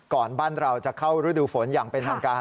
บ้านเราจะเข้ารูดูฝนอย่างเป็นทางการ